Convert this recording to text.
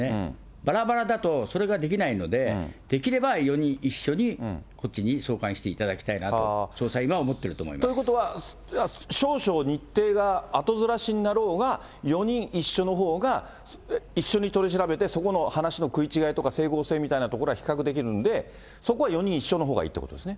ばらばらだと、それができないので、できれば４人一緒にこっちに送還していただきたいなと、捜査員はということは、少々日程があとずらしになろうが、４人一緒のほうが一緒に取り調べて、そこの話の食い違いとか整合性みたいなところは比較できるので、そこは４人一緒のほうがいいってことですね。